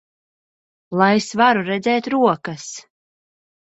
Lai es varu redzēt rokas!